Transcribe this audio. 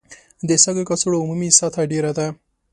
د سږو کڅوړو عمومي سطحه ډېره ده.